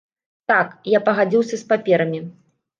Так, я пагадзіўся з паперамі.